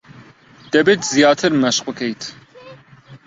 دەبێت زیاتر مەشق بکەیت.